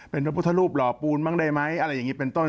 เป็นพระพุทธรูปหล่อปูนบ้างได้ไหมอะไรอย่างนี้เป็นต้น